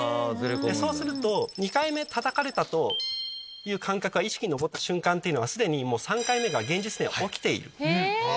そうすると２回目たたかれたという感覚が意識に上った瞬間っていうのは既に３回目が現実には起きている。